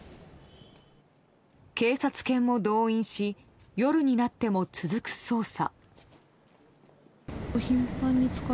警察犬も動員し夜になっても続く捜査。